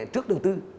trước đầu tư